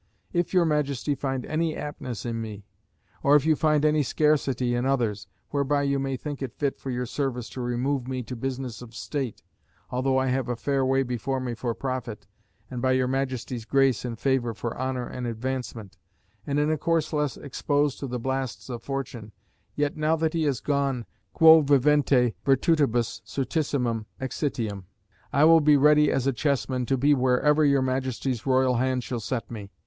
If your Majesty find any aptness in me, or if you find any scarcity in others, whereby you may think it fit for your service to remove me to business of State, although I have a fair way before me for profit (and by your Majesty's grace and favour for honour and advancement), and in a course less exposed to the blasts of fortune, yet now that he is gone, quo vivente virtutibus certissimum exitium, I will be ready as a chessman to be wherever your Majesty's royal hand shall set me.